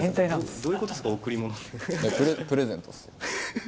どういうことっすか、プレゼントっすよ。